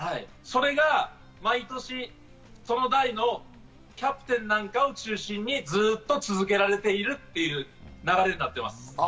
それが毎年その代のキャプテンなんかを中心にずっと続けられているっていう流れになっています。